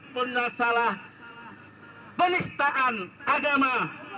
penasalah penistaan agama